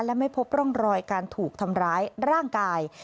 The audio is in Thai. และไม่พบร่องรอยการถูกทำร้ายร่างกาย